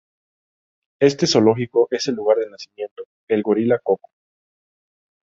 Este zoológico es el lugar de nacimiento el gorila Koko.